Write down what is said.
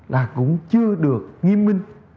là cũng chưa được nghiêm minh